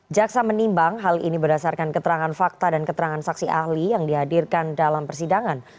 jaksa menimbang hal ini berdasarkan keterangan fakta dan keterangan saksi ahli yang dihadirkan dalam persidangan